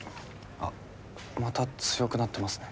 あっまた強くなってますね。